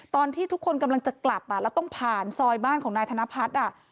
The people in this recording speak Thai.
ตอนที่ทุกคนกำลังจะกลับแล้วต้องผ่านซอยบ้านของนายธนพัฒน์